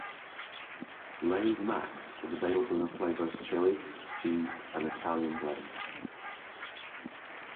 Lay's Max is available in flavors: Chili, Cheese and Italian Blend.